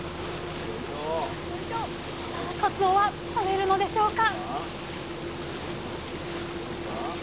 さあかつおは取れるのでしょうか？